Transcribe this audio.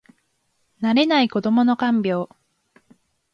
慣れない子どもの看病